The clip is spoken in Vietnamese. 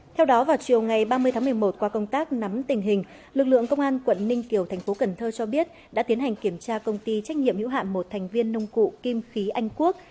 theo đó vào chiều ngày ba mươi tháng một mươi một qua công tác nắm tình hình lực lượng công an quận ninh kiều thành phố cần thơ cho biết đã tiến hành kiểm tra công ty trách nhiệm hữu hạm một thành viên nông cụ kim khí anh quốc